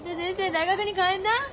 大学に帰んな。